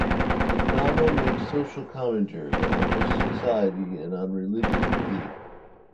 It novel makes social commentary on a just society and on religious belief.